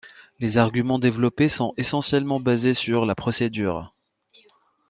Les arguments développés sont essentiellement basés sur la procédure.